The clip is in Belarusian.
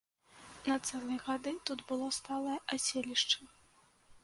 На цэлыя гады тут было сталае аселішча.